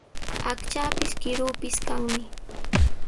Aqchaapis, kiruupis kanmi.